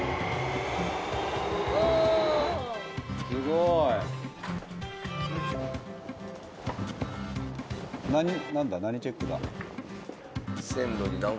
すごい！何？